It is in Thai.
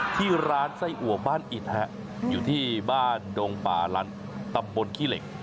ที่ร้านไส้อัวบ้านอิดอยู่ที่บ้านดงป่าลันตำบลขี้เหล็ก